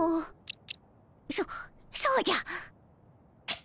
そそうじゃ！